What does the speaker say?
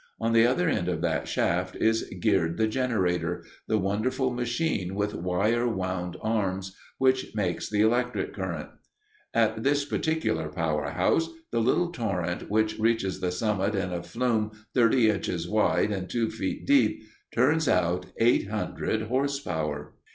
On the other end of that shaft is geared the generator the wonderful machine with wire wound arms which makes the electric current. At this particular power house the little torrent which reaches the summit in a flume thirty inches wide and two feet deep turns out 800 horse power.